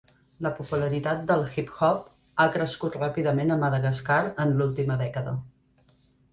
La popularitat del hip-hop ha crescut ràpidament a Madagascar en l'última dècada.